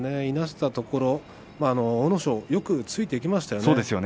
いなしたところ阿武咲がよくついていきましたね。